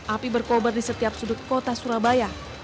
api berkobar di setiap sudut kota surabaya